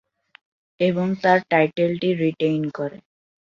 এবং তার টাইটেলটি রিটেইন করে।